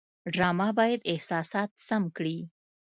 ډرامه باید احساسات سم کړي